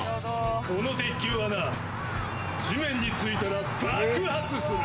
この鉄球はな、地面についたら爆発する。